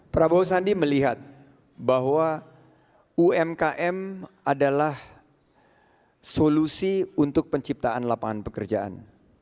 prabowo sandi melihat bahwa umkm adalah solusi untuk penciptaan lapangan pekerjaan